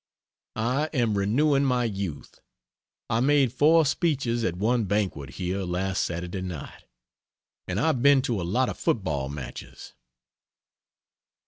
I am renewing my youth. I made 4 speeches at one banquet here last Saturday night. And I've been to a lot of football matches.